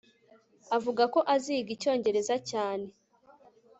Avuga ko aziga icyongereza cyane